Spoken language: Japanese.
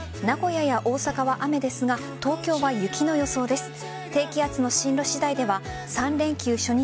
名古屋や大阪は雨ですが東京は雪の予想です。